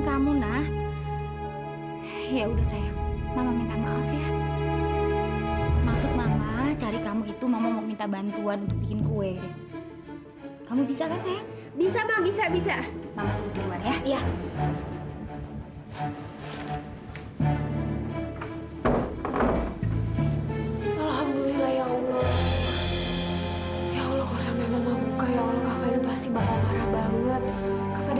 kamu sudah sadar